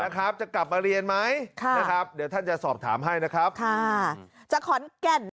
จะกลับมาเรียนไหมนะครับเดี๋ยวท่านจะสอบถามให้นะครับค่ะจากขอนแก่น